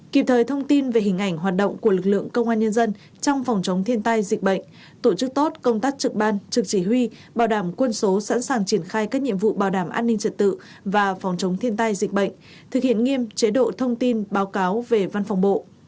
kịp thời thông tin về hình ảnh hoạt động của lực lượng công an nhân dân trong phòng chống thiên tai dịch bệnh tổ chức tốt công tác trực ban trực chỉ huy bảo đảm quân số sẵn sàng triển khai các nhiệm vụ bảo đảm an ninh trật tự và phòng chống thiên tai dịch bệnh thực hiện nghiêm chế độ thông tin báo cáo về văn phòng bộ